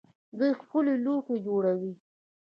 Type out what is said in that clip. دوی ښکلي لوښي جوړوي.